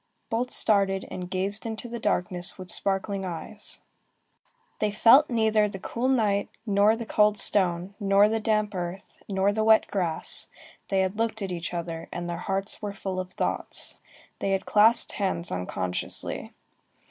Both started, and gazed into the darkness with sparkling eyes. They felt neither the cool night, nor the cold stone, nor the damp earth, nor the wet grass; they looked at each other, and their hearts were full of thoughts. They had clasped hands unconsciously.